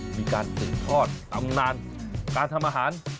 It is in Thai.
มีการสุดทอดตำนานการทำอาหารข้าวแช่ของเรา